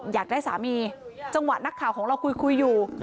อยากได้สามีจังหวะนักข่าวของเราคุยอยู่